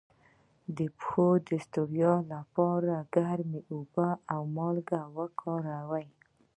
د پښو د ستړیا لپاره ګرمې اوبه او مالګه وکاروئ